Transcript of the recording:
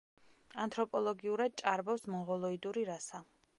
ანთროპოლოგიურად ჭარბობს მონღოლოიდური რასა.